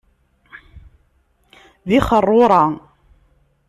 D ixeṛṛurra!